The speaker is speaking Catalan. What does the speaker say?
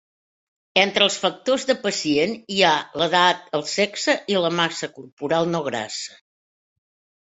Entre els factors de pacient hi ha: l'edat, el sexe i la massa corporal no grassa.